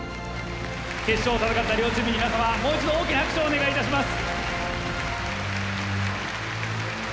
決勝を戦った両チームに皆様もう一度大きな拍手をお願いいたします。